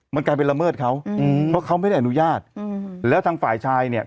มันกลายเป็นละเมิดเขาอืมเพราะเขาไม่ได้อนุญาตอืมแล้วทางฝ่ายชายเนี่ย